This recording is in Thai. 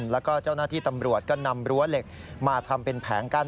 แล้วก็เจ้าหน้าที่ตำรวจก็นำรั้วเหล็กมาทำเป็นแผงกั้น